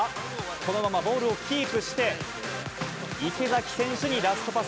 このままボールをキープして、池崎選手にラストパス。